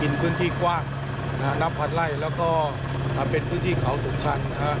เป็นพื้นที่กว้างนับพันไล่แล้วก็เป็นพื้นที่เขาสูงชัน